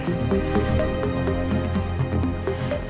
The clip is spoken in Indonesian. ini jadi air